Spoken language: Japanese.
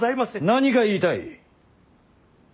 何が言いたい。